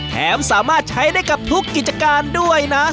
สามารถใช้ได้กับทุกกิจการด้วยนะ